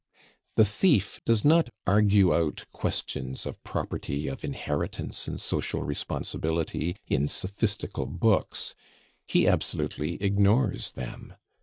The thief does not argue out questions of property, of inheritance, and social responsibility, in sophistical books; he absolutely ignores them.